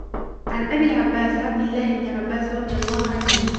عَن أَبِي العبَّاسِ عبْدِ الله بنِ عَبّاسٍ رَضِي اللهُ عَنْهُما